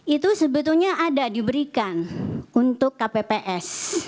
itu sebetulnya ada diberikan untuk kpps